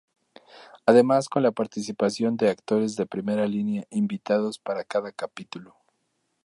Además con la participación de actores de primera línea invitados para cada capítulo.